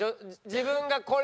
自分がこれ。